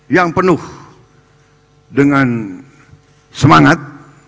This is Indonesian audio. yang penuh dengan semangat